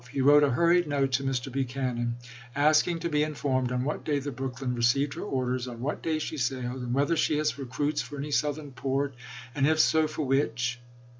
He wrote a hurried note to Mr. Buchanan, asking to be informed " on what day the Brooklyn received her orders, on what day she sailed, and whether she has recruits for any Southern port, and if so, for which!"